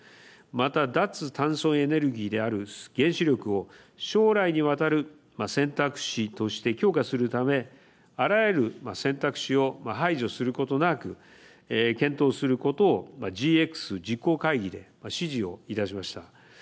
また脱炭素エネルギーである原子力を将来にわたる選択肢として強化するためあらゆる選択肢を排除することなく検討することをＧＸ実行会議で指示をいたしました。